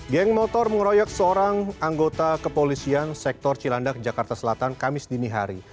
geng motor mengeroyok seorang anggota kepolisian sektor cilandak jakarta selatan kamis dinihari